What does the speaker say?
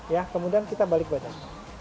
ya kemudian kita balik badan